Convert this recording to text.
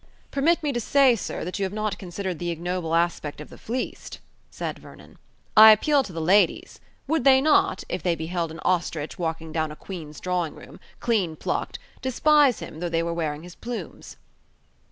"Permit me to say, sir, that you have not considered the ignoble aspect of the fleeced," said Vernon. "I appeal to the ladies: would they not, if they beheld an ostrich walking down a Queen's Drawing Room, clean plucked, despise him though they were wearing his plumes?"